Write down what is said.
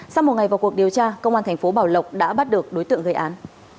sau một ngày vào cuộc điều tra công an thành phố bảo lộc đã bắt được đối tượng gây án